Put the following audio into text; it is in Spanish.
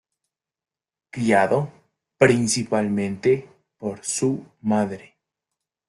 Criado, principalmente, por su madre.